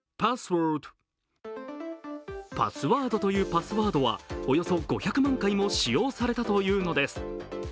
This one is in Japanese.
「Ｐａｓｓｗｏｒｄ」というパスワードはおよそ５００万回も使用されたというのです。